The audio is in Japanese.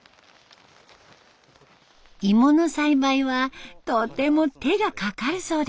芋の栽培はとても手がかかるそうです。